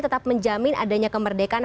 tetap menjamin adanya kemerdekaan